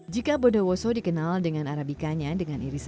jika bondo woso dikenal dengan arabikanya dengan irisnya